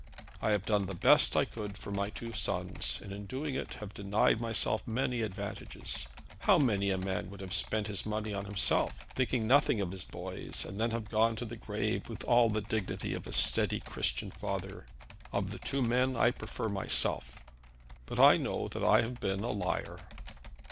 I have done the best I could for my two sons, and in doing it have denied myself many advantages. How many a man would have spent his money on himself, thinking nothing of his boys, and then have gone to his grave with all the dignity of a steady Christian father! Of the two men I prefer myself; but I know that I have been a liar."